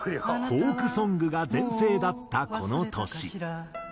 フォークソングが全盛だったこの年。